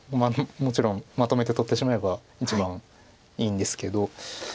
もちろんまとめて取ってしまえば一番いいんですけど。